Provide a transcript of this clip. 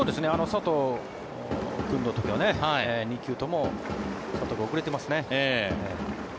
佐藤君の時は２球とも遅れていますね。